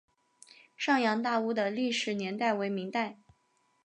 上洋大屋的历史年代为明代。